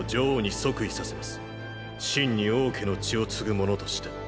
真に王家の血を継ぐ者として。